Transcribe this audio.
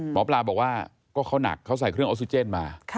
หมอปลาบอกว่าก็เขาหนักเขาใส่เครื่องออกซิเจนมา